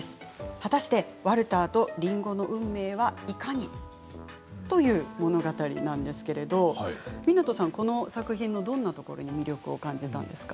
果たしてワルターとりんごの運命はいかに？という物語なんですけれど湊さんは、この作品のどんなところに魅力を感じたんですか？